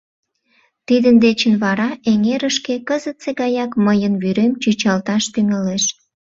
Тидын дечын вара эҥерышке кызытсе гаяк мыйын вӱрем чӱчалташ тӱҥалеш...